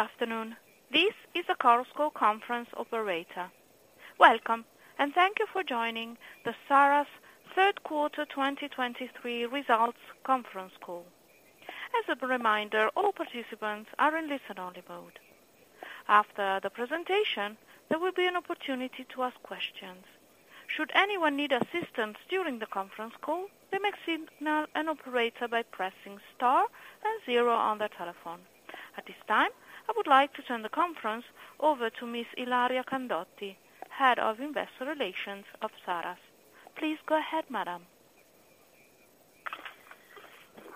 Good afternoon. This is a Chorus Call conference operator. Welcome, and thank you for joining the Saras Third Quarter 2023 Results Conference Call. As a reminder, all participants are in listen-only mode. After the presentation, there will be an opportunity to ask questions. Should anyone need assistance during the conference call, they may signal an operator by pressing Star and zero on their telephone. At this time, I would like to turn the conference over to Miss Ilaria Candotti, Head of Investor Relations of Saras. Please go ahead, Madam.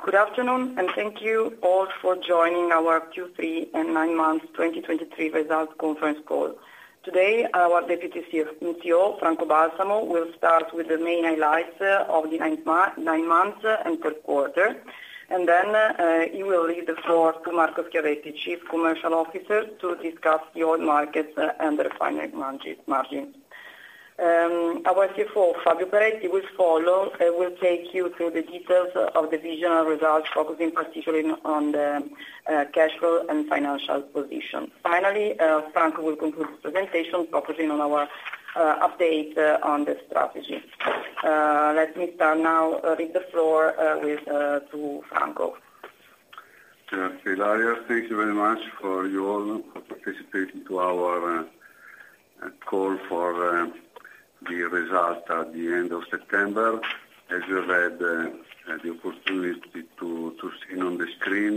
Good afternoon, and thank you all for joining our Q3 and nine months 2023 results conference call. Today, our Deputy CEO, Franco Balsamo, will start with the main highlights of the nine months and third quarter, and then, he will leave the floor to Marco Schiavetti, Chief Commercial Officer, to discuss the oil markets and the refinery margin. Our CFO, Fabio Peretti, will follow, and will take you through the details of the vision and results, focusing particularly on the cash flow and financial position. Finally, Franco will conclude the presentation, focusing on our update on the strategy. Let me start now, leave the floor with to Franco. Ilaria, thank you very much for you all for participating to our call for the result at the end of September. As you have had the opportunity to see on the screen,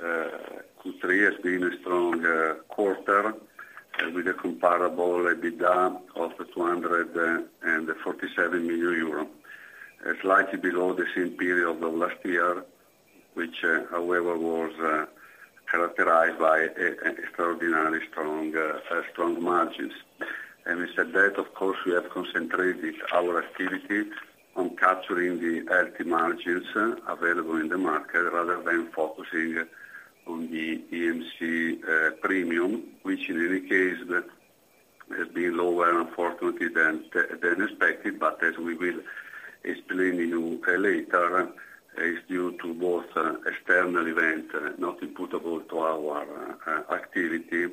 Q3 has been a strong quarter, with a comparable EBITDA of 247 million euro. Slightly below the same period of last year, which, however, was characterized by extraordinary strong margins. We said that, of course, we have concentrated our activity on capturing the healthy margins available in the market, rather than focusing on the EMC premium, which in any case, has been lower, unfortunately, than expected. But as we will explain to you later, is due to both external events, not imputable to our activity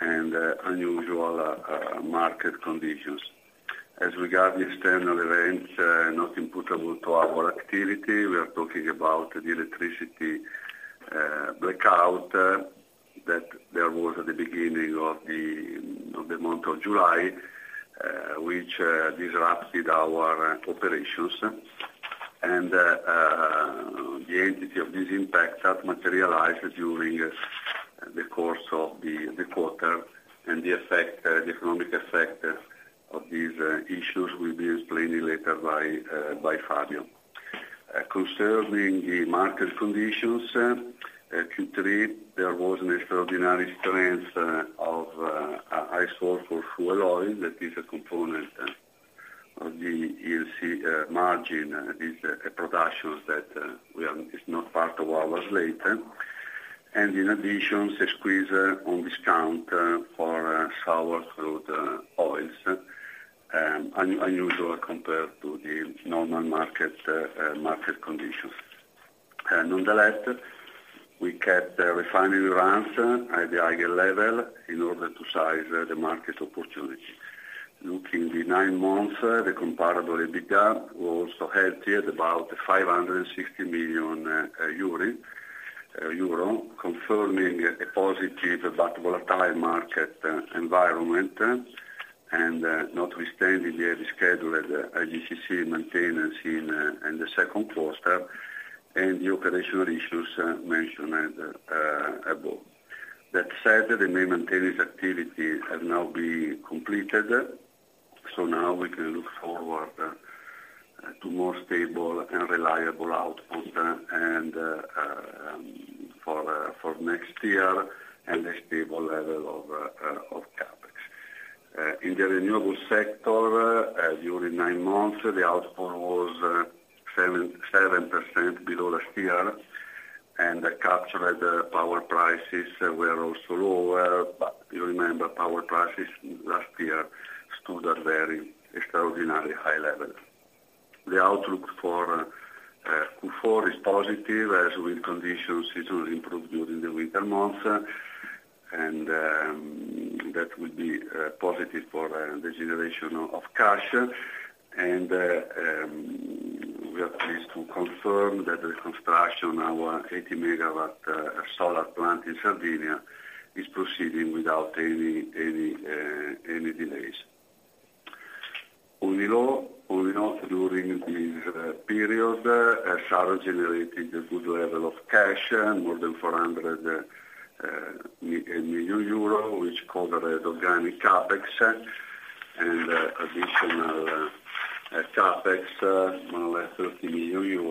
and unusual market conditions. As regards the external events, not imputable to our activity, we are talking about the electricity blackout that there was at the beginning of the month of July, which disrupted our operations. The entity of this impact has materialized during the course of the quarter, and the economic effect of these issues will be explained later by Fabio. Concerning the market conditions, Q3, there was an extraordinary strength of high-sulfur fuel oil. That is a component of the EMC margin. It's a production that is not part of our slate. And in addition, a squeeze on discount for sour crude oils, unusual compared to the normal market conditions. Nonetheless, we kept the refinery runs at the higher level in order to size the market opportunity. Looking the nine months, the comparable EBITDA was also healthy, at about 560 million euro, confirming a positive but volatile market environment, and notwithstanding the rescheduled IGCC maintenance in the second quarter, and the operational issues mentioned above. That said, the main maintenance activities have now been completed, so now we can look forward to more stable and reliable output, and for next year, and a stable level of CapEx. In the renewable sector, during nine months, the output was 7% below last year, and the captured power prices were also lower, but you remember, power prices last year stood at very extraordinarily high level. The outlook for Q4 is positive, as wind conditions seasonally improve during the winter months, and that will be positive for the generation of cash. We are pleased to confirm that the construction of our 80 MW solar plant in Sardinia is proceeding without any delays. All in all, not only during this period, Saras generated a good level of cash, more than 400 million euro, which covered organic CapEx, and additional CapEx, more or less EUR 30 million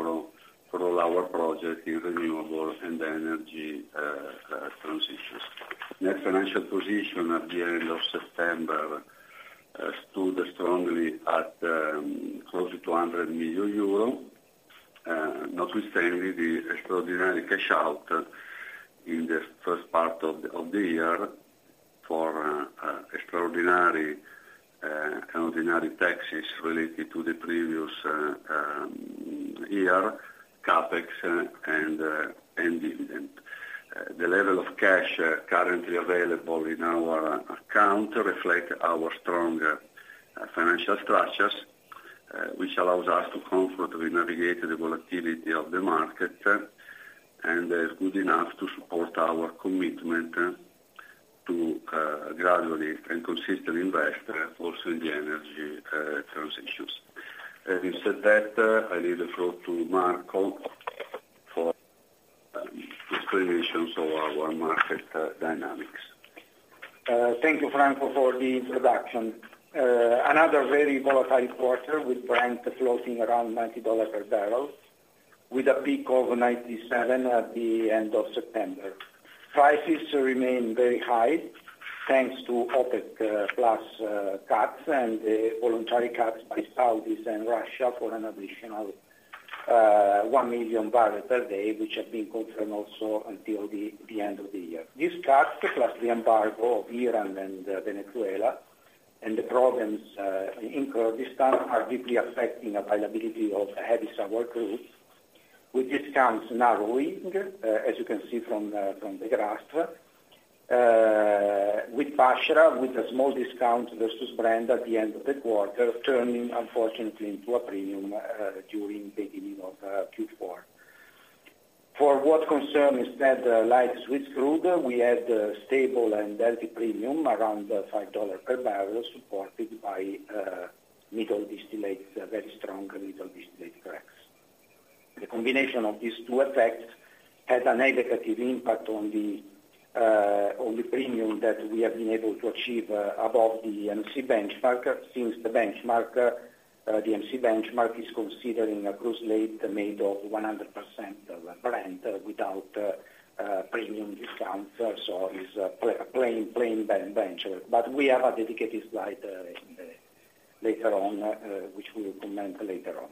for all our projects in renewables and energy transitions. Net financial position at the end of September stood strongly at close to 200 million euro, notwithstanding the extraordinary cash out in the first part of the year for extraordinary taxes related to the previous year, CapEx and dividend. The level of cash currently available in our account reflect our strong financial structures, which allows us to comfortably navigate the volatility of the market, and is good enough to support our commitment to gradually and consistently invest also in the energy transitions. Having said that, I leave the floor to Marco for explanations of our market dynamics. Thank you, Franco, for the introduction. Another very volatile quarter, with Brent floating around $90 per barrel, with a peak of $97 at the end of September. Prices remain very high, thanks to OPEC plus cuts and voluntary cuts by Saudi and Russia for an additional 1 million barrels per day, which have been confirmed also until the end of the year. These cuts, plus the embargo of Iran and Venezuela, and the problems in Kurdistan, are deeply affecting availability of heavy sour crude, with discounts narrowing, as you can see from the graph. With Basra, with a small discount versus Brent at the end of the quarter, turning unfortunately into a premium during beginning of Q4. For what concern instead, light sweet crude, we had a stable and healthy premium around $5 per barrel, supported by middle distillates, very strong middle distillate cracks. The combination of these two effects has a negative impact on the premium that we have been able to achieve above the EMC benchmark. Since the benchmark, the EMC benchmark is considering a crude slate made of 100% Brent without premium discounts, so is a plain benchmark. But we have a dedicated slide in the later on which we will comment later on.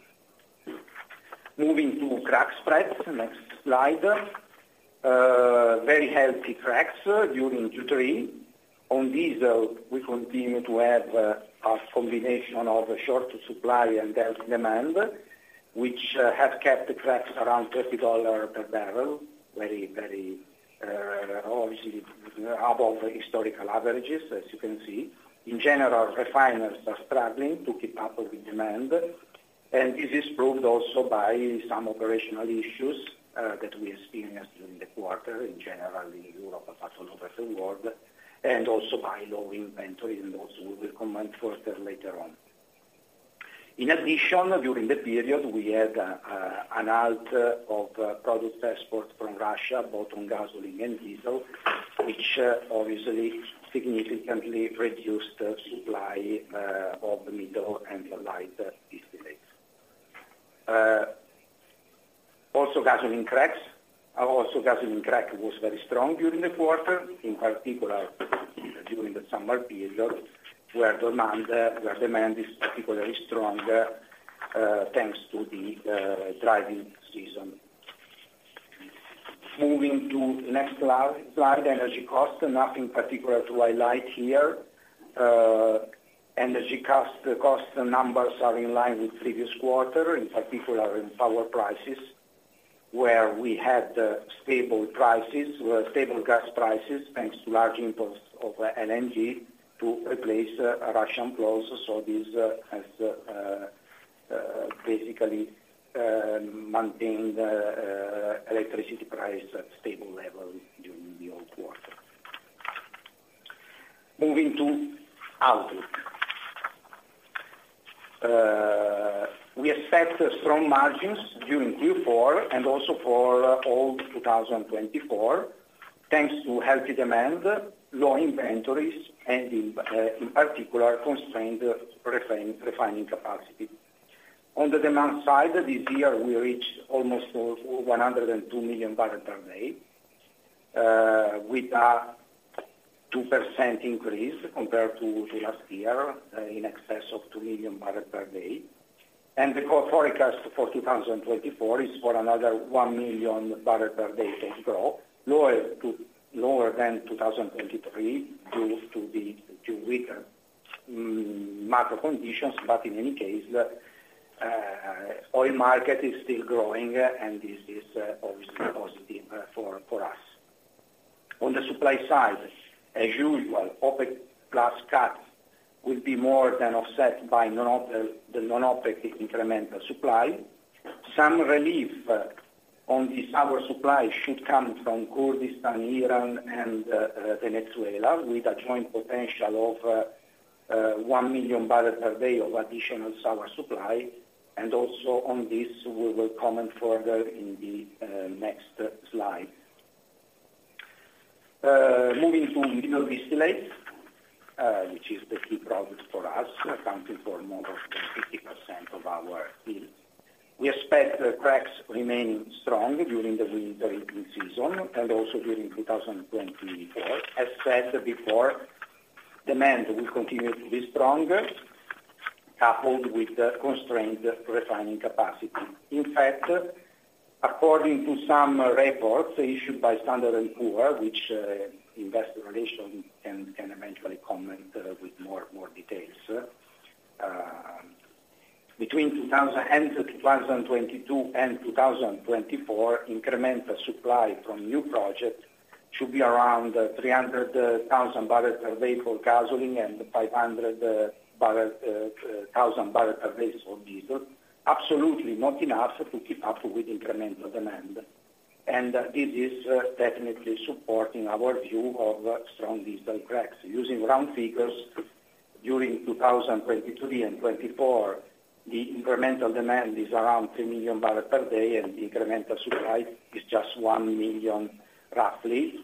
Moving to crack spreads, next slide. Very healthy cracks during Q3. On diesel, we continue to have a combination of short supply and healthy demand, which have kept the cracks around $30 per barrel. Very, very, obviously above the historical averages, as you can see. In general, refiners are struggling to keep up with demand, and this is proved also by some operational issues that we experienced during the quarter, in general, in Europe, but all over the world, and also by low inventory, and also we will comment further later on. In addition, during the period, we had an halt of product export from Russia, both on gasoline and diesel, which obviously significantly reduced the supply of the middle and the light distillates. Also, gasoline cracks, also gasoline crack was very strong during the quarter, in particular during the summer period, where demand, where demand is particularly strong, thanks to the driving season. Moving to next slide, energy cost. Nothing particular to highlight here. Energy cost, cost numbers are in line with previous quarter, in particular in power prices, where we had stable prices, stable gas prices, thanks to large imports of LNG to replace Russian flows. So this has basically maintained electricity price at stable level during the whole quarter. Moving to outlook. We expect strong margins during Q4 and also for all 2024, thanks to healthy demand, low inventories and in particular, constrained refining capacity. On the demand side, this year, we reached almost 102 million barrels per day, with a 2% increase compared to last year, in excess of 2 million barrels per day. The forecast for 2024 is for another 1 million barrels per day of growth, lower than 2023, due to the weaker macro conditions. But in any case, oil market is still growing, and this is obviously positive for us. On the supply side, as usual, OPEC plus cuts will be more than offset by non-OPEC incremental supply. Some relief on the sour supply should come from Kurdistan, Iran and Venezuela, with a joint potential of 1 million barrels per day of additional sour supply, and also on this, we will comment further in the next slide. Moving to middle distillates, which is the key product for us, accounting for more than 50% of our yield. We expect the cracks remain strong during the winter heating season and also during 2024. As said before, demand will continue to be stronger, coupled with the constrained refining capacity. In fact, according to some reports issued by Standard & Poor's, which, investor relations can eventually comment with more details. Between 2022 and 2024, incremental supply from new projects should be around 300,000 barrels per day for gasoline, and 500,000 barrels per day for diesel. Absolutely not enough to keep up with incremental demand. And this is definitely supporting our view of strong diesel cracks. Using round figures, during 2022 and 2024, the incremental demand is around 3 million barrels per day, and the incremental supply is just 1 million, roughly,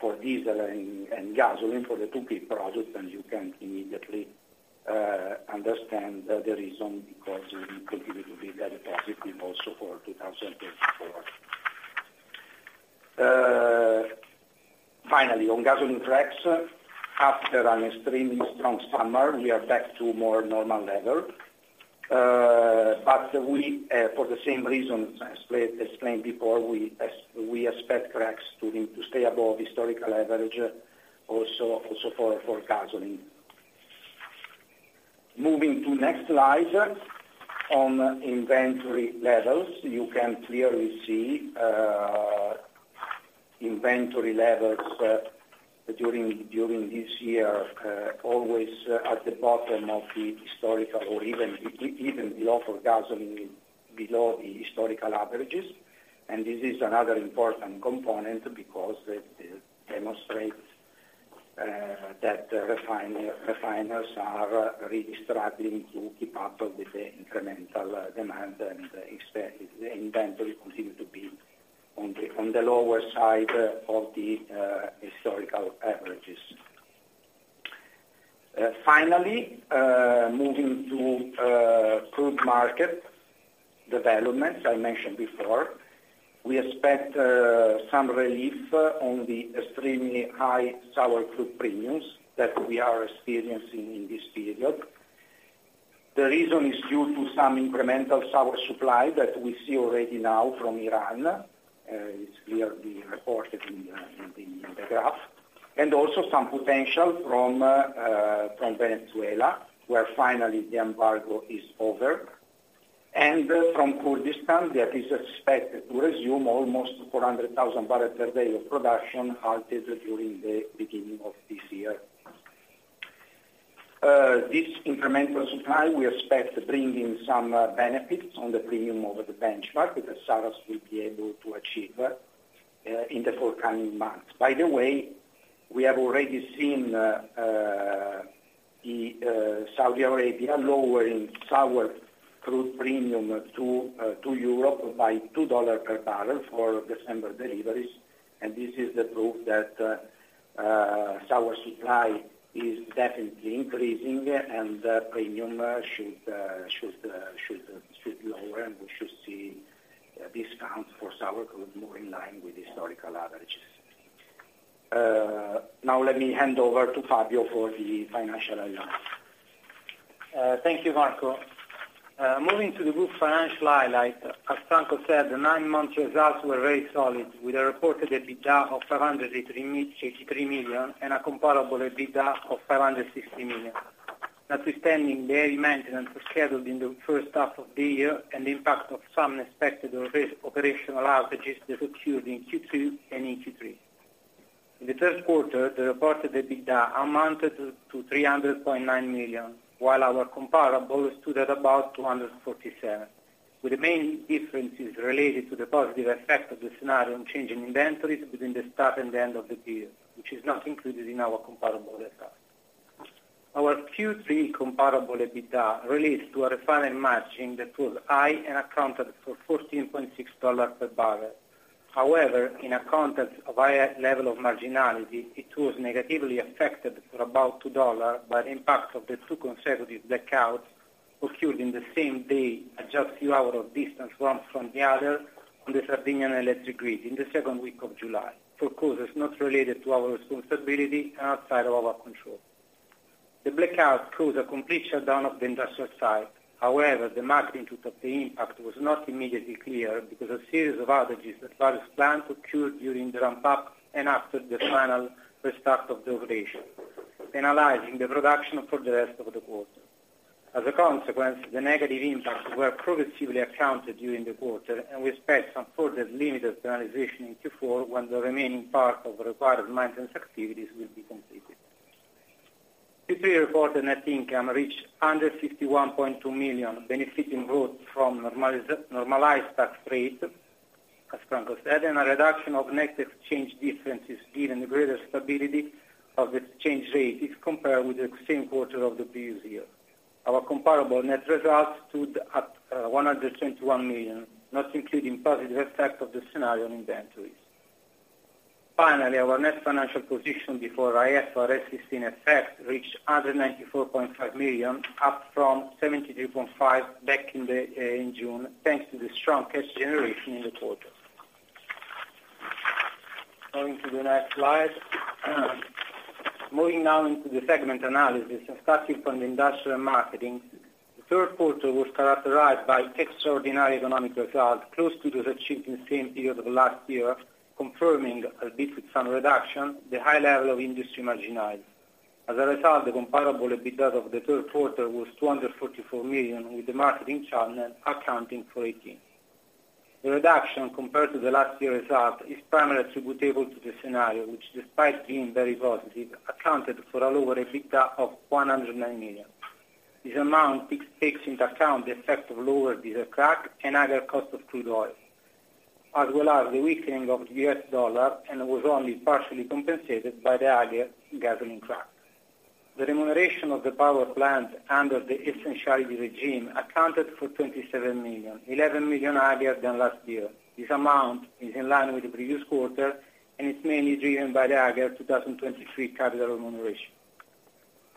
for diesel and gasoline for the two key projects, and you can immediately understand the reason, because we continue to be very positive also for 2024. Finally, on gasoline cracks, after an extremely strong summer, we are back to more normal level. But we, for the same reasons, as explained before, we expect cracks to need to stay above historical average, also for gasoline. Moving to next slide, on inventory levels, you can clearly see, inventory levels during this year always at the bottom of the historical or even the other gasoline below the historical averages. This is another important component, because it demonstrates that refiners are really struggling to keep up with the incremental demand, and the inventory continue to be on the lower side of the historical averages. Finally, moving to crude market developments. I mentioned before, we expect some relief on the extremely high sour crude premiums that we are experiencing in this period. The reason is due to some incremental sour supply that we see already now from Iran, it's clearly reported in the graph, and also some potential from Venezuela, where finally the embargo is over. And from Kurdistan, that is expected to resume almost 400,000 barrels per day of production, halted during the beginning of this year. This incremental supply, we expect to bring in some benefits on the premium over the benchmark, that Saras will be able to achieve, in the forthcoming months. By the way, we have already seen the Saudi Arabia lowering sour crude premium to Europe by $2 per barrel for December deliveries, and this is the proof that sour supply is definitely increasing, and the premium should lower, and we should see discounts for sour crude more in line with historical averages. Now let me hand over to Fabio for the financial analysis. Thank you, Marco. Moving to the group financial highlights, as Franco said, the nine-month results were very solid, with a reported EBITDA of 583 million, and a comparable EBITDA of 560 million. Notwithstanding the heavy maintenance scheduled in the first half of the year, and the impact of some unexpected operational outages that occurred in Q2 and in Q3. In the third quarter, the reported EBITDA amounted to 300.9 million, while our comparable stood at about 247 million, with the main differences related to the positive effect of the scenario on changing inventories between the start and the end of the period, which is not included in our comparable results. Our Q3 comparable EBITDA relates to a refining margin that was high and accounted for $14.6 per barrel. However, in a context of higher level of marginality, it was negatively affected for about $2 by the impact of the two consecutive blackouts, occurred in the same day, just a few hours of distance, one from the other, on the Sardinian electric grid in the second week of July, for causes not related to our responsibility and outside of our control. The blackout caused a complete shutdown of the industrial site. However, the magnitude of the impact was not immediately clear, because a series of outages that were as planned occurred during the ramp up and after the final restart of the operation, analyzing the production for the rest of the quarter. As a consequence, the negative impacts were progressively accounted during the quarter, and we expect some further limited materialization in Q4, when the remaining part of the required maintenance activities will be completed. Q3 reported net income reached under 51.2 million, benefiting growth from normalized tax rate, as Franco said, and a reduction of net exchange differences, given the greater stability of the exchange rate is compared with the same quarter of the previous year. Our comparable net results stood at 121 million, not including positive effect of the scenario in inventories. Finally, our net financial position before IFRS is in effect reached under 94.5 million, up from 73.5 back in June, thanks to the strong cash generation in the quarter. Going to the next slide. Moving now into the segment analysis, and starting from the industrial marketing. The third quarter was characterized by extraordinary economic results, close to those achieved in the same period of last year, confirming a bit with some reduction the high level of industry margins. As a result, the comparable EBITDA of the third quarter was 244 million, with the marketing channel accounting for 18 million. The reduction compared to last year's result is primarily attributable to the scenario, which despite being very positive accounted for a lower EBITDA of 109 million. This amount takes into account the effect of lower diesel crack and higher cost of crude oil, as well as the weakening of the U.S. dollar, and was only partially compensated by the higher gasoline crack. The remuneration of the power plant under the Essentiality Regime accounted for 27 million, 11 million higher than last year. This amount is in line with the previous quarter, and it's mainly driven by the higher 2023 capital remuneration.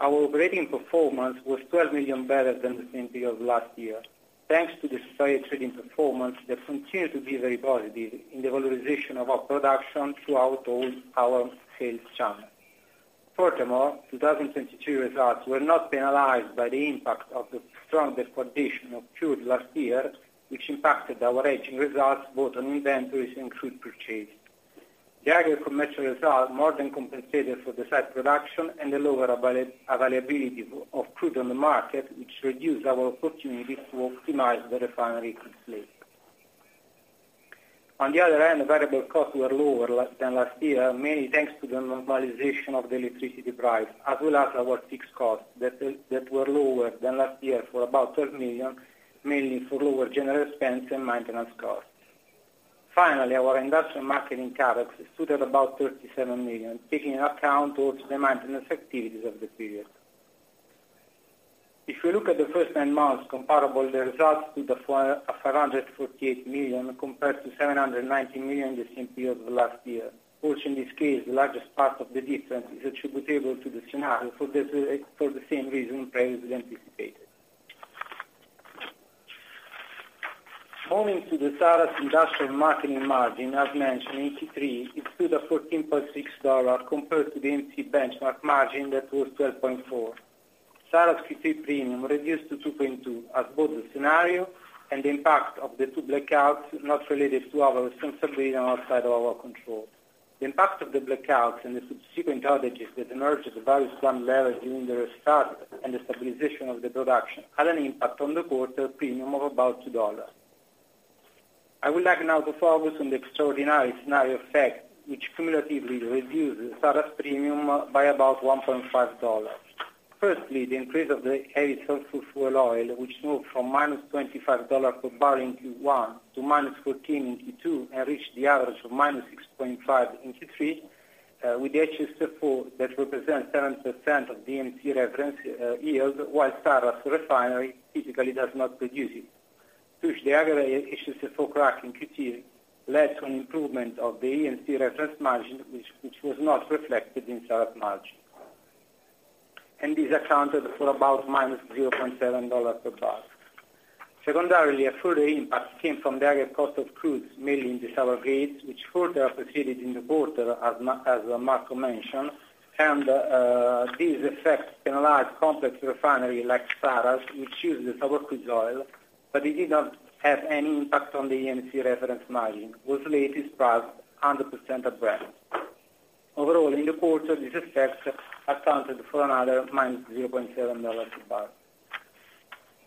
Our operating performance was 12 million better than the same period of last year, thanks to the Saras Trading performance that continued to be very positive in the valorization of our production throughout all our sales channel. Furthermore, 2022 results were not penalized by the impact of the stronger quotation of crude last year, which impacted our 2023 results, both on inventories and crude purchase. The higher commercial result more than compensated for the site production and the lower availability of crude on the market, which reduced our opportunity to optimize the refinery quickly. On the other hand, the variable costs were lower than last year, mainly thanks to the normalization of the electricity price, as well as our fixed costs that were lower than last year for about 13 million, mainly for lower general expense and maintenance costs. Finally, our industrial marketing CapEx stood at about 37 million, taking into account all the maintenance activities of the period. If you look at the first nine months comparable, the results stood at 548 million, compared to 790 million the same period of last year, which in this case, the largest part of the difference is attributable to the scenario for the same reason previously anticipated. Moving to the Saras industrial marketing margin, as mentioned, Q3, it stood at $14.6 compared to the EMC benchmark margin that was $12.4. Saras Q3 premium reduced to $2.2, as both the scenario and the impact of the two blackouts, not related to our responsibility and outside of our control. The impact of the blackouts and the subsequent outages that emerged at various time levels during the restart and the stabilization of the production, had an impact on the quarter premium of about $2. I would like now to focus on the extraordinary scenario effect, which cumulatively reduced Saras premium by about $1.5. Firstly, the increase of the heavy sulfur fuel oil, which moved from -$25 per barrel in Q1, to -$14 in Q2, and reached the average of -$6.5 in Q3, with the HSFO that represents 7% of the EMC reference yield, while Saras refinery physically does not produce it. Which the higher issues for crack in Q3 led to an improvement of the EMC reference margin, which was not reflected in Saras margin, and this accounted for about -$0.7 per barrel. Secondarily, a further impact came from the higher cost of crudes, mainly in the sour grades, which further proceeded in the quarter, as Marco mentioned. This effect penalized complex refinery like Saras, which use the sour crude oil, but it did not have any impact on the EMC reference margin, which was latest priced 100% at Brent. Overall, in the quarter, these effects accounted for another -$0.7 per barrel.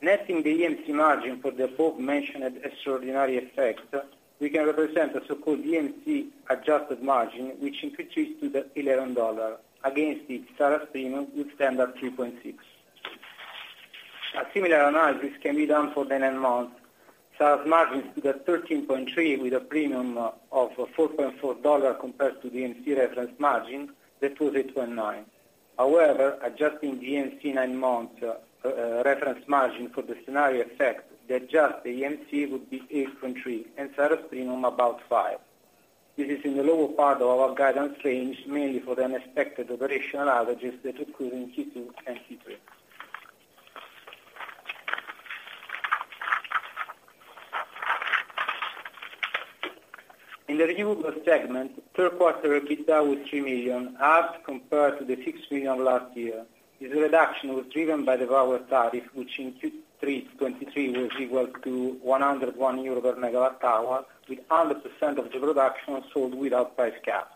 Netting the EMC margin for the above mentioned extraordinary effect, we can represent the so-called EMC adjusted margin, which in Q3 stood at $11, against the Saras premium, which stand at 2.6. A similar analysis can be done for the nine months. Saras margins stood at 13.3, with a premium of $4.4 compared to the EMC reference margin, that was 8.9. However, adjusting the EMC nine-month reference margin for the scenario effect, the adjusted EMC would be 8.3, and Saras premium, about $5. This is in the lower part of our guidance range, mainly for the unexpected operational outages that occurred in Q2 and Q3. In the renewable segment, third quarter EBITDA was 3 million, up compared to the 6 million of last year. This reduction was driven by the lower tariff, which in Q3 2023, was equal to 101 euro per MW hour, with 100% of the production sold without price cap.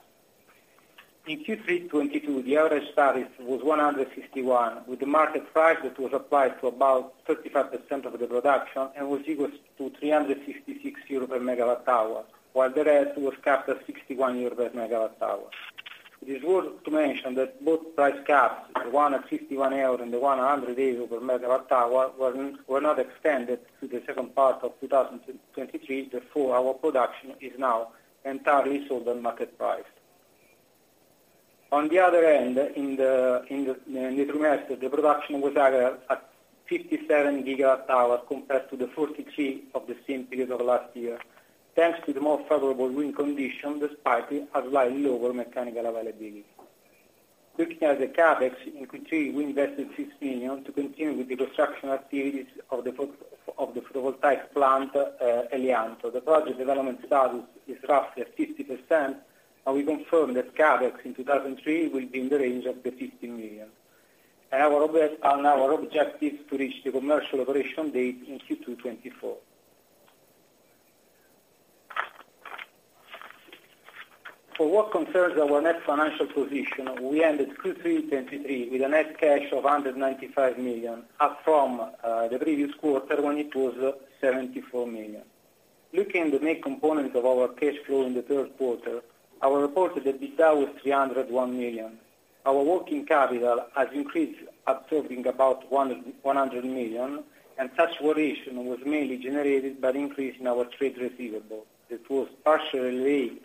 In Q3 2022, the average tariff was 151, with the market price that was applied to about 35% of the production, and was equal to 356 euro per MWh, while the rest was capped at 61 euro per MWh. It is worth to mention that both price caps, the one at 61 euro and the one at 100 euro per MWh, were not extended to the second part of 2023, therefore, our production is now entirely sold on market price. On the other hand, in the third quarter, the production was higher at 57 GWh, compared to the 43 MWh of the same period of last year, thanks to the more favorable wind conditions, despite a slightly lower mechanical availability. Looking at the CapEx, in Q3, we invested 6 million to continue with the construction activities of the photovoltaic plant, Elianto. The project development status is roughly at 50%, and we confirm that CapEx in 2023 will be in the range of 50 million. Our objective to reach the commercial operation date in Q2 2024. For what concerns our net financial position, we ended Q3 2023, with a net cash of 195 million, up from the previous quarter when it was 74 million. Looking at the main components of our cash flow in the third quarter, our reported EBITDA was 301 million. Our working capital has increased, absorbing about 100 million, and such variation was mainly generated by the increase in our trade receivable. It was partially related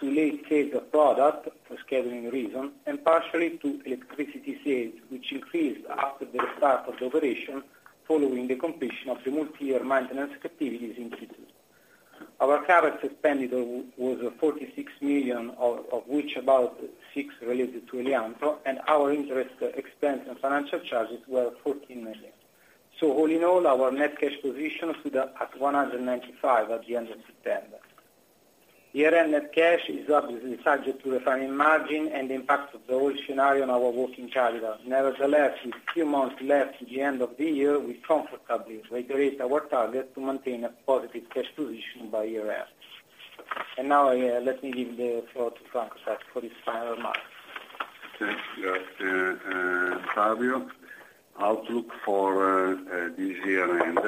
to late sale of product, for scheduling reason, and partially to electricity sales, which increased after the restart of the operation, following the completion of the multi-year maintenance activities in Q2. Our current expenditure was 46 million, of which about 6 million related to Elianto, and our interest expense and financial charges were 14 million. So all in all, our net cash position stood at 195 million at the end of September. The year-end net cash is obviously subject to refining margin and the impact of the oil scenario on our working capital. Nevertheless, with few months left to the end of the year, we comfortably reiterate our target to maintain a positive cash position by year end. Now, let me give the floor to Franco for his final remarks. Thank you, Fabio. Outlook for this year end.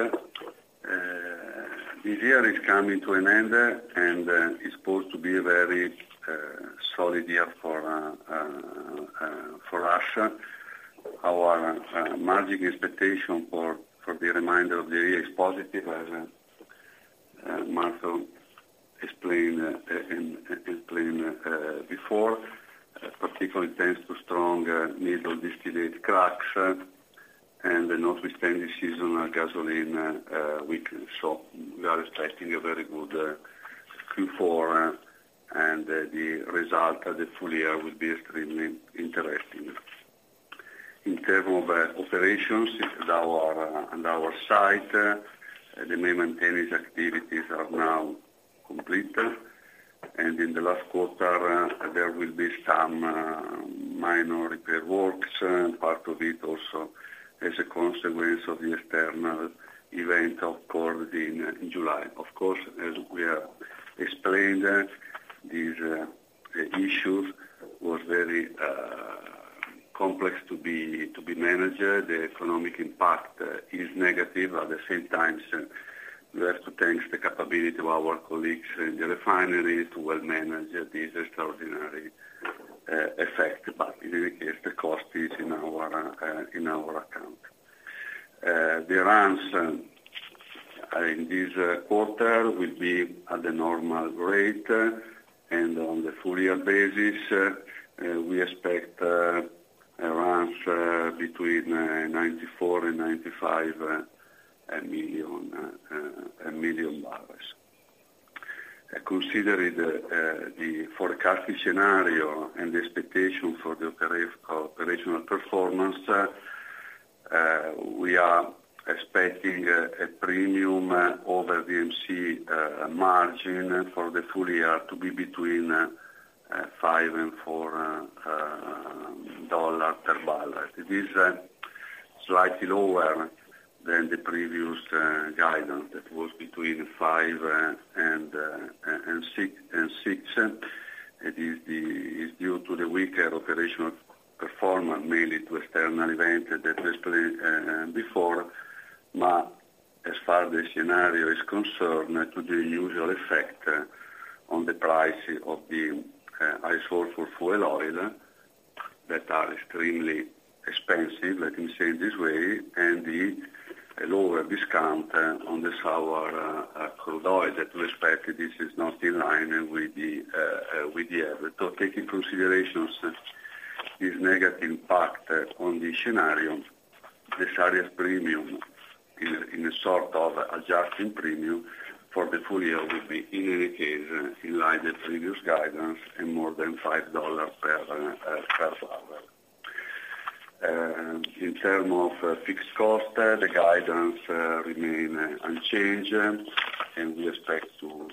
This year is coming to an end, and it's supposed to be a very solid year for us. Our margin expectation for the remainder of the year is positive, as Marco explained before, particularly thanks to strong middle distillate cracks, and notwithstanding the seasonal gasoline weakness. So we are expecting a very good Q4, and the result of the full year will be extremely interesting. In terms of operations, on our site, the maintenance activities are now complete. And in the last quarter, there will be some minor repair works, part of it also as a consequence of the external event occurred in July. Of course, as we have explained, these issues was very complex to be managed. The economic impact is negative. At the same time, so we have to thank the capability of our colleagues in the refineries to well manage this extraordinary effect. But in any case, the cost is in our account. The runs in this quarter will be at the normal rate, and on the full year basis, we expect a range between $94 million and $95 million. Considering the forecasting scenario and the expectation for the operational performance, we are expecting a premium over the MC margin for the full year to be between $5 and $4 per barrel. It is slightly lower than the previous guidance that was between $5 and $6. It's due to the weaker operational performance, mainly to external events that explained before, but as far as the scenario is concerned, to the usual effect on the price of the high sulfur fuel oil that are extremely expensive, let me say it this way, and the lower discount on the sour crude oil that we expected. This is not in line with the average. So taking considerations, this negative impact on the scenario, the Saras premium in a sort of adjusting premium for the full year would be, in any case, in line with the previous guidance and more than $5 per barrel. In terms of fixed cost, the guidance remain unchanged, and we expect to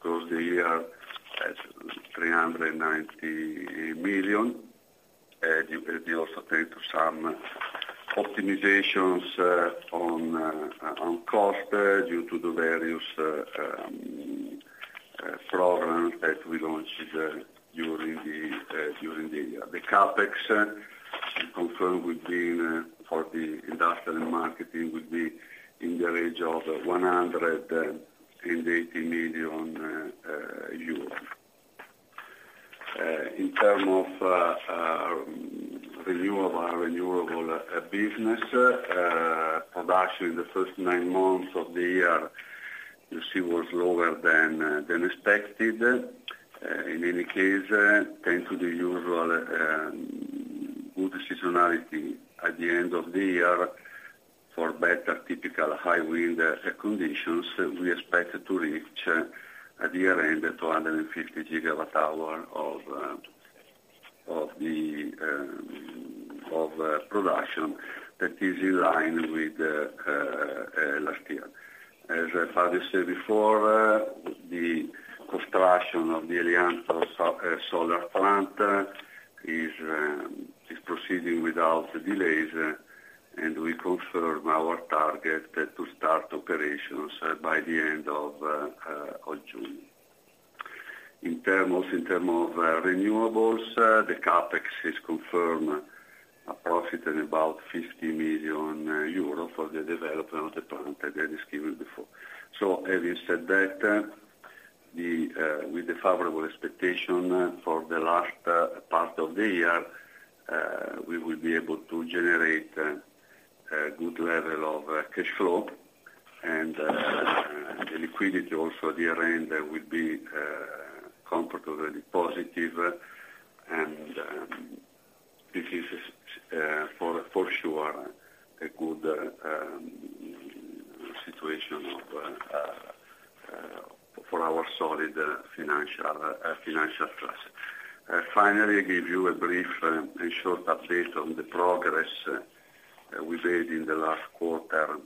close the year at EUR 390 million. We also take some optimizations on cost due to the various programs that we launched during the year. The CapEx, we confirm, will be for the industrial marketing, will be in the range of 180 million euros. In terms of renewable, our renewable business production in the first nine months of the year, you see, was lower than expected. In any case, thanks to the usual good seasonality at the end of the year-... Or better, typical high wind conditions, we expect to reach at the year-end 150 GWh of production that is in line with last year. As I further said before, the construction of the Elianto solar plant is proceeding without delays, and we confirm our target to start operations by the end of June. In terms of renewables, the CapEx is confirmed, approximately 50 million euro for the development of the plant, as described before. So having said that, the with the favorable expectation for the last part of the year, we will be able to generate a good level of cash flow, and the liquidity also at the year end will be comfortably positive, and this is for sure a good situation of for our solid financial financial trust. Finally, I give you a brief and short update on the progress we made in the last quarter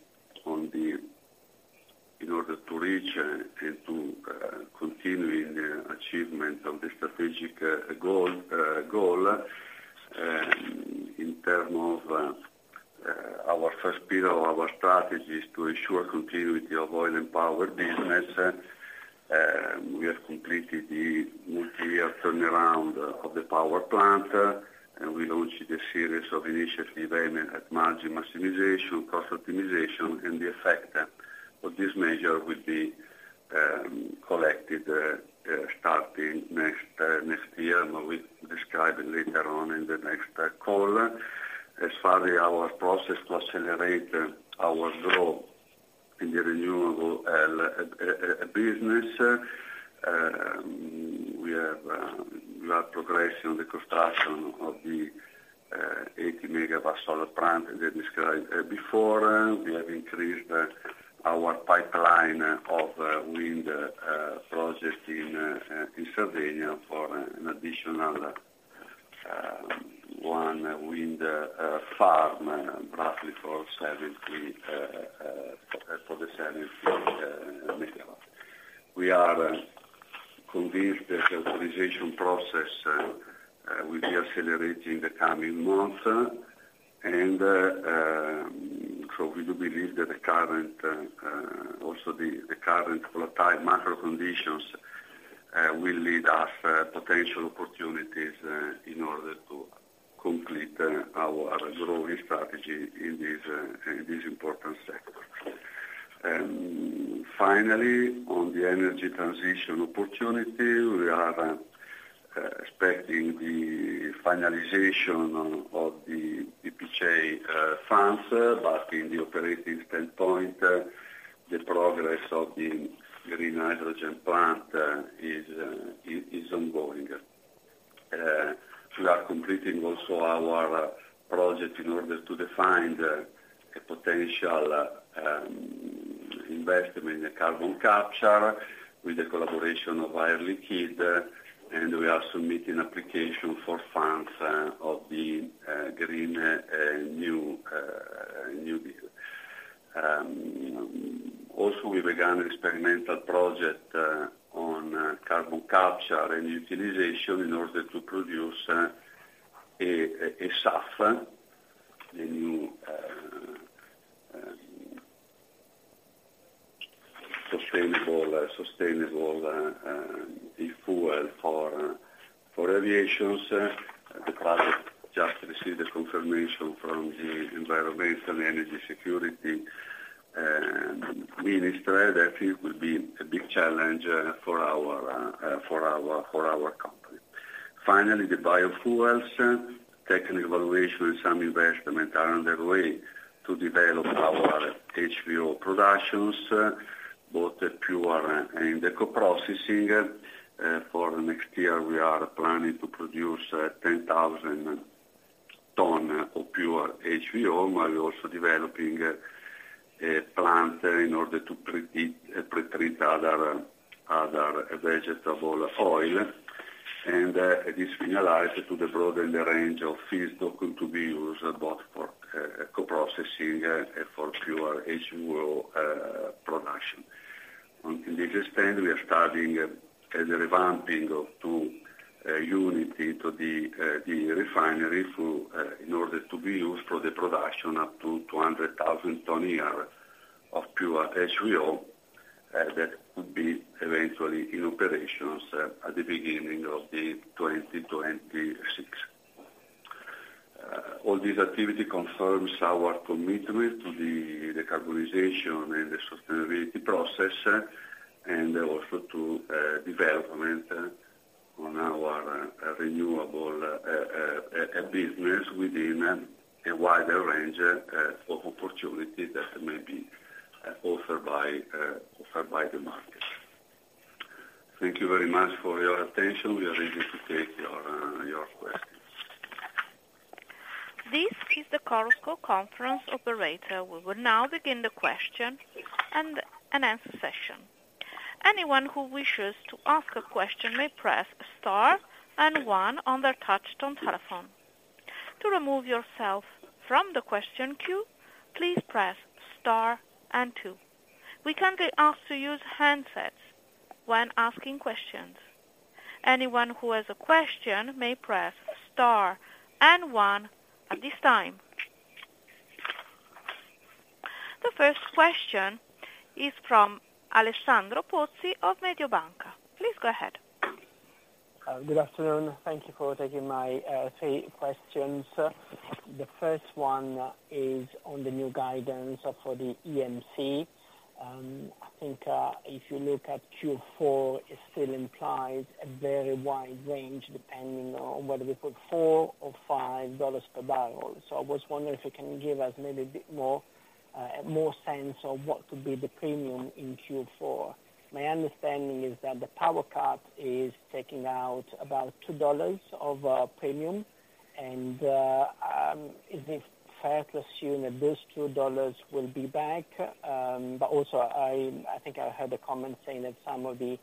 in order to reach and to continue in the achievement of the strategic goal goal in term of our first pillar of our strategy is to ensure continuity of oil and power business. We have completed the multi-year turnaround of the power plant, and we launched a series of initiatives aimed at margin maximization, cost optimization, and the effect of this measure will be collected starting next year, but we describe it later on in the next call. As far as our process to accelerate our growth in the renewable business, we are progressing on the construction of the 80 MW solar plant, as described before. We have increased our pipeline of wind projects in Slovenia for an additional one wind farm, roughly for the 70 MW. We are convinced the decarbonization process will be accelerating in the coming months, and so we do believe that the current volatile macro conditions will lead us potential opportunities in order to complete our growing strategy in this important sector. And finally, on the energy transition opportunity, we are expecting the finalization of the IPCEI funds, but in the operating standpoint, the progress of the green hydrogen plant is ongoing. We are completing also our project in order to define a potential investment in the carbon capture with the collaboration of Air Liquide, and we are submitting application for funds of the Green New Deal. Also, we began an experimental project on carbon capture and utilization in order to produce a SAF, a new sustainable fuel for aviation. The project just received a confirmation from the Environmental and Energy Security Minister that it will be a big challenge for our company. Finally, the biofuels technical evaluation and some investment are underway to develop our HVO productions both the pure and the co-processing. For next year, we are planning to produce 10,000 tons of pure HVO, but we're also developing a plant in order to pretreat other vegetable oil. And this finalized to broaden the range of feedstock to be used both for co-processing and for pure HVO production. On this extent, we are studying the revamping of two units into the refinery in order to be used for the production up to 200,000 tons a year of pure HVO, that could be eventually in operations at the beginning of 2026. All this activity confirms our commitment to the decarbonization and the sustainability process, and also to development on our renewable business within a wider range of opportunity that may be offered by the market. Thank you very much for your attention. We are ready to take your questions. This is the Chorus Call Conference Operator. We will now begin the question and answer session. Anyone who wishes to ask a question may press star and one on their touchtone telephone. To remove yourself from the question queue, please press star and two. We kindly ask to use handsets when asking questions. Anyone who has a question may press star and one at this time. The first question is from Alessandro Pozzi of Mediobanca. Please go ahead. Good afternoon. Thank you for taking my three questions. The first one is on the new guidance for the EMC. I think if you look at Q4, it still implies a very wide range, depending on whether we put $4-$5 per barrel. So I was wondering if you can give us maybe a bit more more sense of what could be the premium in Q4. My understanding is that the power cut is taking out about $2 of premium, and is it fair to assume that those $2 will be back? But also I think I heard a comment saying that some of the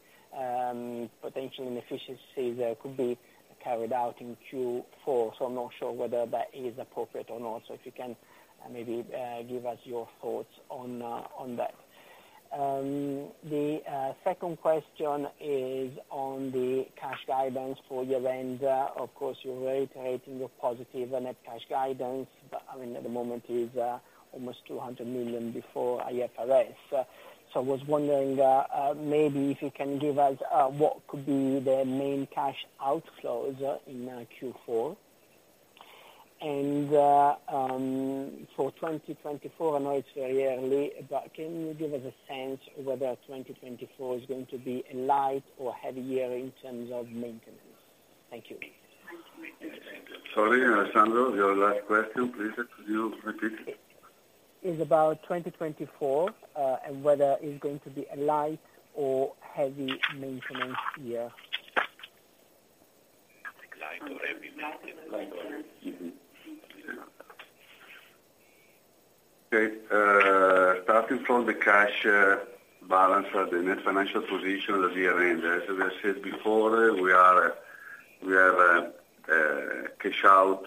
potential inefficiencies could be carried out in Q4, so I'm not sure whether that is appropriate or not. So if you can maybe give us your thoughts on that. The second question is on the cash guidance for year end. Of course, you're reiterating your positive net cash guidance, but, I mean, at the moment, it's almost 200 million before IFRS. So I was wondering maybe if you can give us what could be the main cash outflows in Q4? And for 2024, I know it's very early, but can you give us a sense whether 2024 is going to be a light or heavy year in terms of maintenance? Thank you. Sorry, Alessandro, your last question, please, could you repeat? It's about 2024, and whether it's going to be a light or heavy maintenance year. Light or heavy maintenance. Okay, starting from the cash balance or the net financial position at the year end, as we have said before, we are, we have a cash out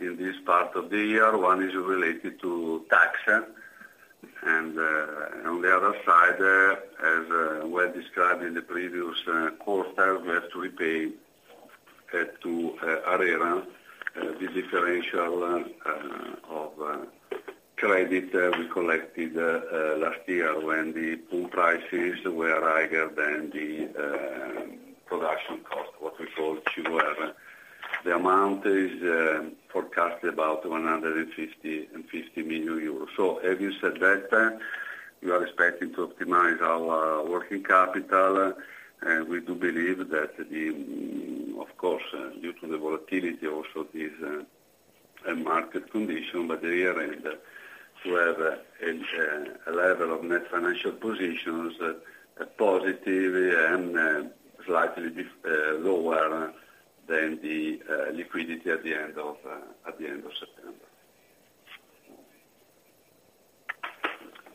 in this part of the year. One is related to tax, and on the other side, as well described in the previous quarter, we have to repay to ARERA the differential of credit we collected last year when the pool prices were higher than the production cost, what we call QR. The amount is forecasted about 155 million euros. So having said that, we are expecting to optimize our working capital, and we do believe that the, of course, due to the volatility also is a market condition, but the year end, to have a level of net financial positions positive and slightly lower than the liquidity at the end of September.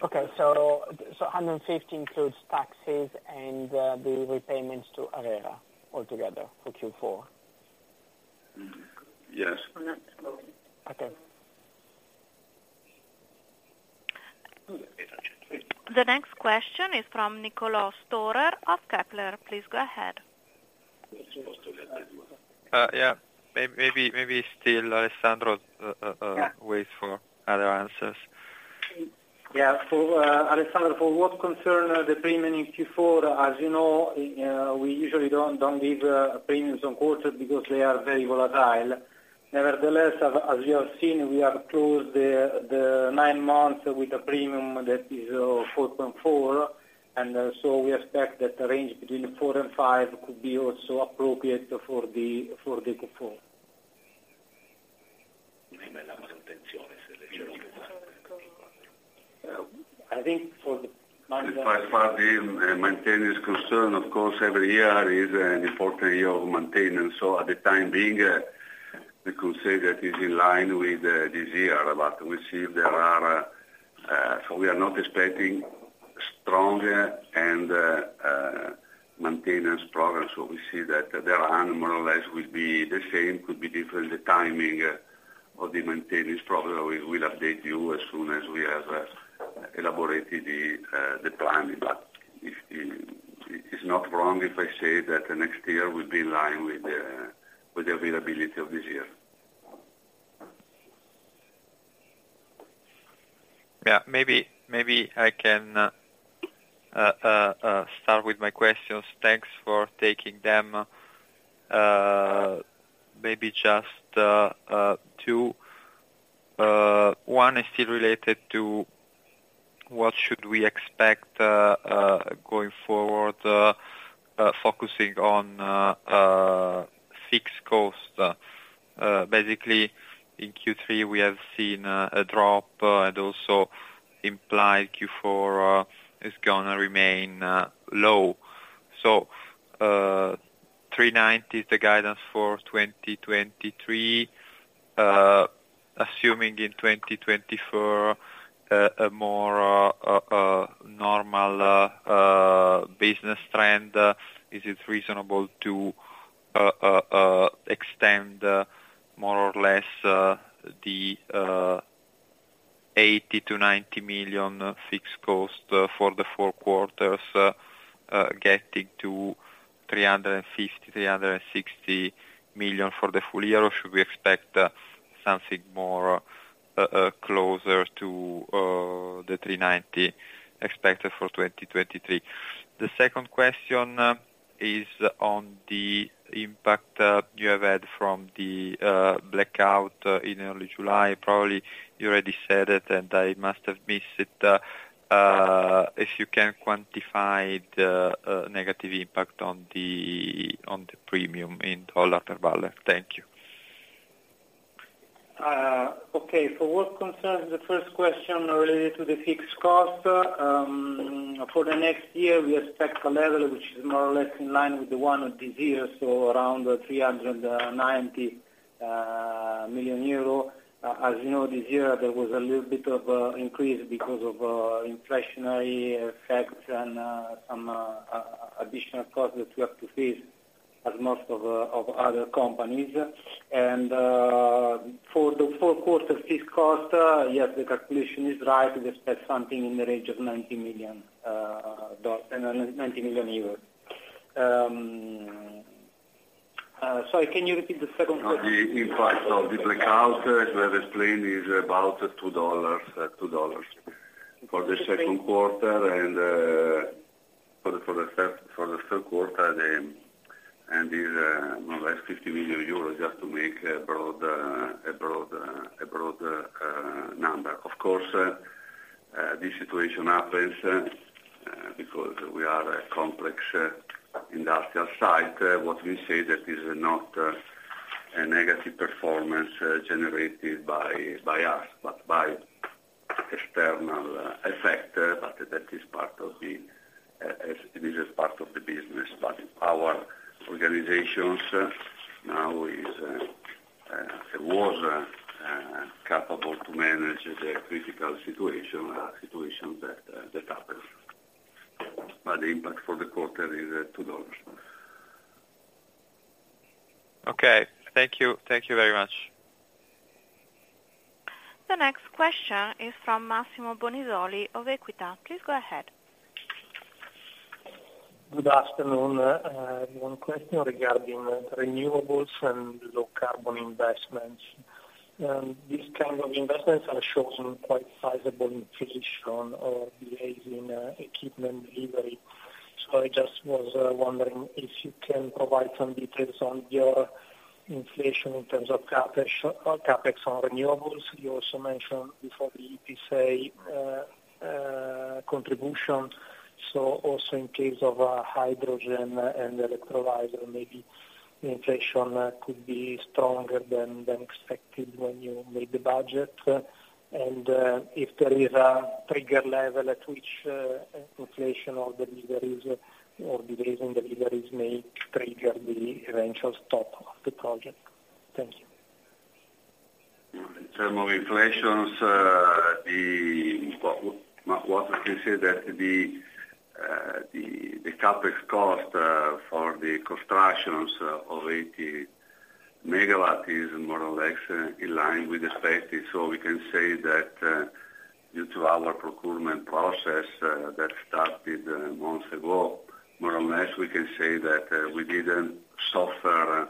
Okay, so 150 includes taxes and the repayments to ARERA altogether for Q4? Mm, yes. Okay. The next question is from Nicolò Storer of Kepler. Please go ahead. Yeah. Maybe, maybe still Alessandro. Yeah. Wait for other answers. Yeah. For Alessandro, for what concern the premium in Q4, as you know, we usually don't, don't give premiums on quarters because they are very volatile. Nevertheless, as you have seen, we are closed the nine months with a premium that is $4.4, and so we expect that the range between $4 and $5 could be also appropriate for the Q4. I think for the- As far as the maintenance is concerned, of course, every year is an important year of maintenance, so at the time being, we could say that is in line with, this year, but we'll see if there are. So we are not expecting stronger and, maintenance progress. So we see that there are more or less will be the same, could be different, the timing, of the maintenance. Probably we, we'll update you as soon as we have, elaborated the, the planning. But if, it's not wrong, if I say that the next year will be in line with the, with the availability of this year. Yeah, maybe, maybe I can start with my questions. Thanks for taking them, maybe just two. One is still related to what should we expect going forward, focusing on fixed costs? Basically, in Q3, we have seen a drop, and also imply Q4 is going to remain low. So, 390 million is the guidance for 2023. Assuming in 2024 a more normal business trend, is it reasonable to extend more or less the 80 million-90 million fixed cost for the four quarters, getting to 350 million-360 million for the full year? Or should we expect something more closer to the 390 expected for 2023? The second question is on the impact you have had from the blackout in early July. Probably you already said it, and I must have missed it. If you can quantify the negative impact on the premium in all after value. Thank you. Okay. For what concerns the first question related to the fixed cost, for the next year, we expect a level which is more or less in line with the one of this year, so around 390 million euro. As you know, this year, there was a little bit of increase because of inflationary effects and some additional costs that we have to face, as most of other companies. For the fourth quarter, fixed cost, yes, the calculation is right. We expect something in the range of EUR 90 million. Sorry, can you repeat the second question? The impact of the blackout, as I explained, is about $2, $2 for the second quarter, and for the third quarter, and is more or less 50 million euros, just to make a broad number. Of course, this situation happens because we are a complex industrial site. What we say that is not a negative performance generated by us, but by external effect, but that is part of the business. But our organization now was capable to manage the critical situation that happened. But the impact for the quarter is $2. Okay. Thank you. Thank you very much. The next question is from Massimo Bonisoli of Equita. Please go ahead. Good afternoon. One question regarding renewables and low carbon investments. These kind of investments are showing quite sizable inflation or behavior in equipment delivery. So I just was wondering if you can provide some details on your inflation in terms of CapEx, CapEx on renewables. You also mentioned before the EPC contribution. So also in case of hydrogen and electrolyzer, maybe inflation could be stronger than expected when you made the budget. And if there is a trigger level at which inflation or deliveries, or decrease in deliveries may trigger the eventual stop of the project. Thank you. In terms of inflation, what I can say is that the CapEx cost for the construction of 80 MW is more or less in line with expected. So we can say that due to our procurement process that started months ago, more or less, we can say that we didn't suffer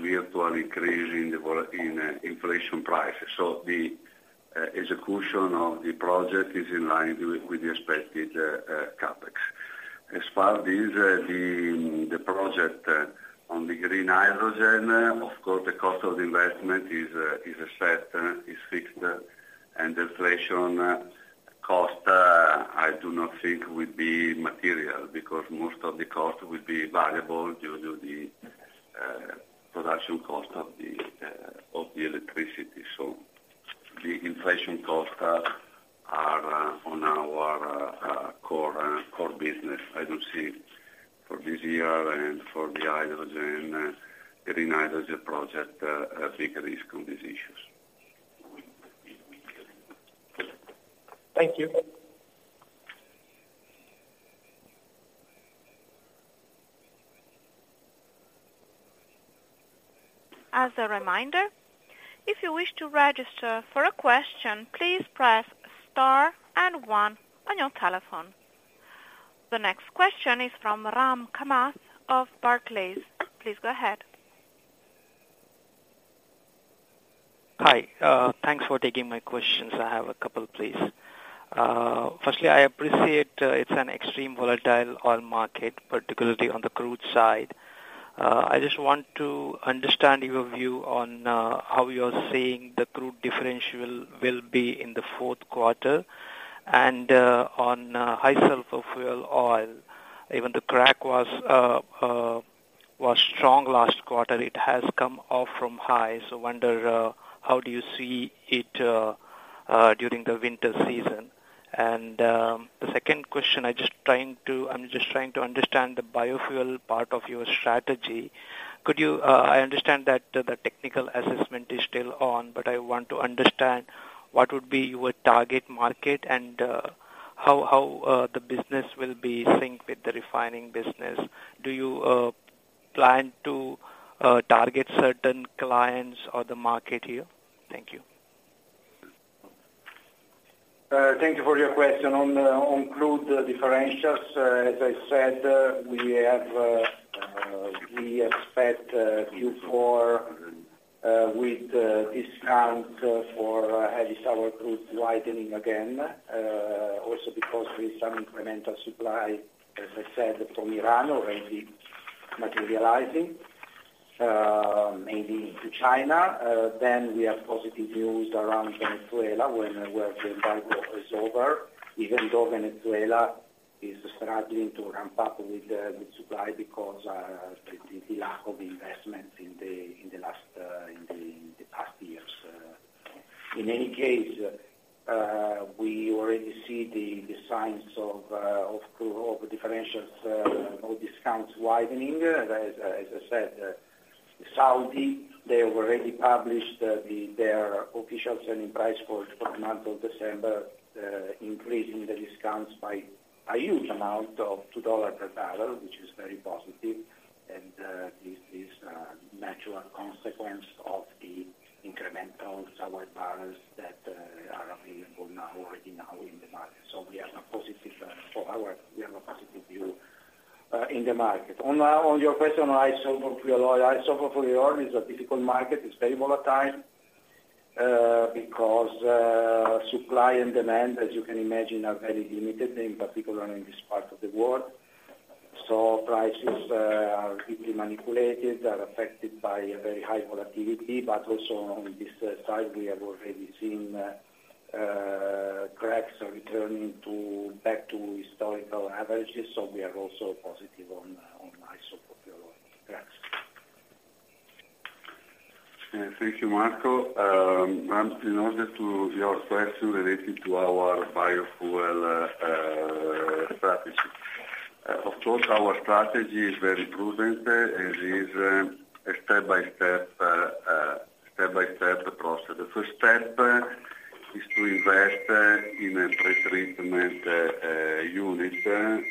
virtual increase in inflation prices. So the execution of the project is in line with the expected CapEx. As far as the project on the green hydrogen, of course, the cost of the investment is set, is fixed, and inflation cost I do not think will be material, because most of the cost will be variable due to the production cost of the electricity. So the inflation costs are on our core business. I don't see for this year and for the hydrogen, the green hydrogen project, a big risk on these issues. Thank you. As a reminder, if you wish to register for a question, please press star and one on your telephone. The next question is from Ram Kamath of Barclays. Please go ahead. Hi, thanks for taking my questions. I have a couple, please. Firstly, I appreciate it's an extremely volatile oil market, particularly on the crude side. I just want to understand your view on how you are seeing the crude differential will be in the fourth quarter. And, on high-sulfur fuel oil, even the crack was strong last quarter. It has come off from high, so wonder how do you see it during the winter season? And, the second question, I'm just trying to understand the biofuel part of your strategy. I understand that the technical assessment is still on, but I want to understand what would be your target market, and how the business will be sync with the refining business. Do you plan to target certain clients or the market here? Thank you. Thank you for your question. On the, on crude differentials, as I said, we have, we expect, Q4, with, discount for heavy sour crude widening again, also because with some incremental supply, as I said, from Iran already materializing, maybe to China. Then we have positive news around Venezuela, where the embargo is over, even though Venezuela is struggling to ramp up with the supply because, the lack of investment in the, in the last, in the past years. In any case, we already see the signs of of differentials, no discounts widening. As I said, Saudi, they already published, the, their official selling price for, for the month of December, increasing the discounts by a huge amount of $2 per barrel, which is very positive, and, this is a natural consequence of the incremental sour barrels that, are available now, already now in the market. So we are now positive for our. We have a positive view, in the market. On, on your question on high sulfur fuel oil. High sulfur fuel oil is a difficult market. It's very volatile, because, supply and demand, as you can imagine, are very limited, in particular, in this part of the world. So prices are deeply manipulated, are affected by a very high volatility, but also on this side, we have already seen cracks returning back to historical averages, so we are also positive on HSFO. Thanks. Thank you, Marco. In order to your question relating to our biofuel strategy. Of course, our strategy is very prudent, and is a step-by-step process. The first step is to invest in a pretreatment unit,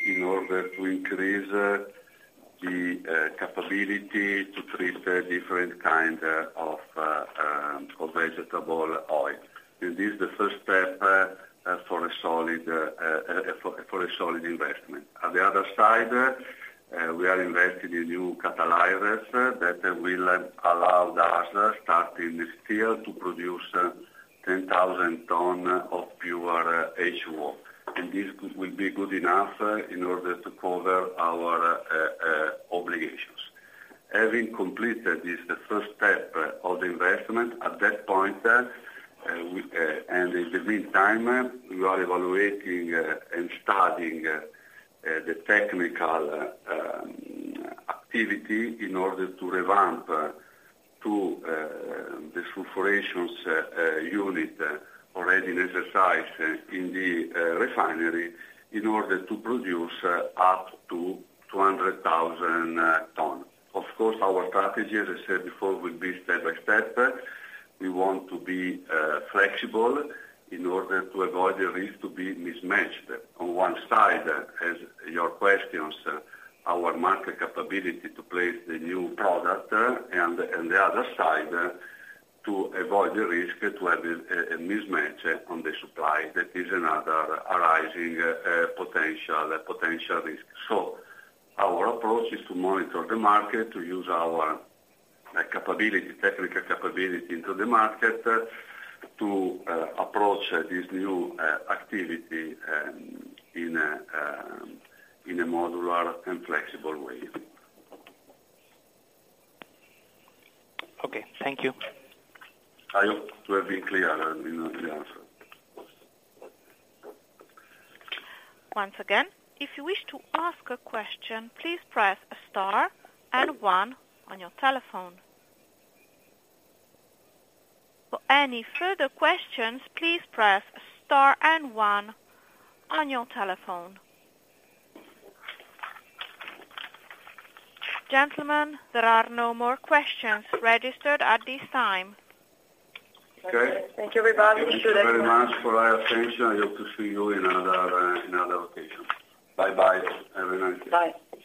in order to increase the capability to treat different kind of vegetable oil. And this is the first step for a solid investment. On the other side, we are investing in new catalysts that will allow us, starting this year, to produce 10,000 tons of pure HVO. And this will be good enough in order to cover our obligations. Having completed this, the first step of the investment, at that point, and in the meantime, we are evaluating and studying the technical activity in order to revamp to the sulfurizations unit already in exercise in the refinery, in order to produce up to 200,000 ton. Of course, our strategy, as I said before, will be step by step. We want to be flexible in order to avoid the risk to be mismatched. On one side, as your questions, our market capability to place the new product, and the other side, to avoid the risk to have a mismatch on the supply. That is another arising potential a potential risk. So our approach is to monitor the market, to use our technical capability into the market, to approach this new activity in a modular and flexible way. Okay. Thank you. I hope to have been clear in the answer. Once again, if you wish to ask a question, please press star and one on your telephone. For any further questions, please press star and one on your telephone. Gentlemen, there are no more questions registered at this time. Okay. Thank you, everybody. Thank you very much for your attention. I hope to see you in another, in another occasion. Bye-bye. Have a nice day. Bye.